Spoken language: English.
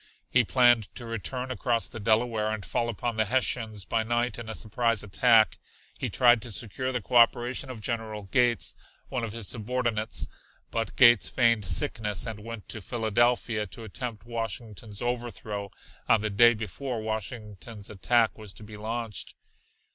He planned to return across the Delaware and fall upon the Hessians by night in a surprise attack. He tried to secure the cooperation of General Gates, one of his subordinates, but Gates feigned sickness and went to Philadelphia to attempt Washington's overthrow on the day before Washington's attack was to be launched.